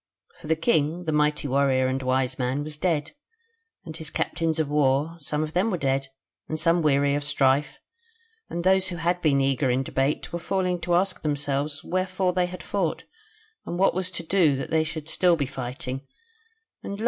For the king, the mighty warrior and wise man, was dead: and his captains of war, some of them were dead, and some weary of strife; and those who had been eager in debate were falling to ask themselves wherefore they had fought and what was to do that they should still be fighting; and lo!